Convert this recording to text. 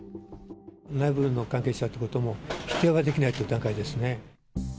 内部の関係者ということも、否定はできないという段階ですね。